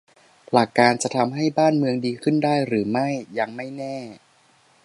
หลักการ จะทำให้บ้านเมืองดีขึ้นได้หรือไม่ ยังไม่แน่